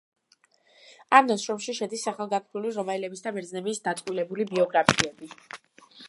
ამ ნაშრომში შედის სახელგანთქმული რომაელების და ბერძნების დაწყვილებული ბიოგრაფიები.